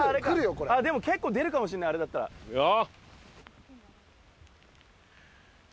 これ・でも結構出るかもしんないあれだったらいくよ